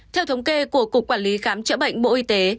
theo thống kê của cục quản lý khám chữa bệnh bộ y tế